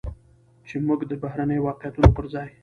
چې موږ د بهرنيو واقعيتونو پرځاى